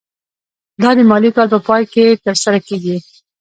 دا د مالي کال په پای کې ترسره کیږي.